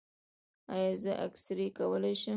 ایا زه اکسرې کولی شم؟